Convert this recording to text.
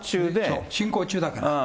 そう、進行中だから。